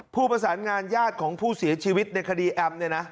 ผู้ประสานงานญาติของผู้ศีลชีวิตในคดีแอมป์